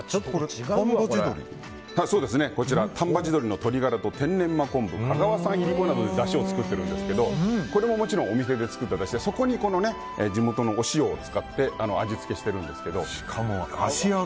丹波地鶏の鶏ガラと天然真昆布、香川産いりこでだしをとってるんですけどこれももちろんお店で作っただしで地元のお塩を使って味付けしてるんです。